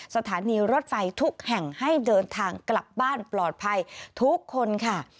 สถานีรถไฟทุกแห่งให้เดินทางกลับบ้านปลอดภัยทุกคนค่ะ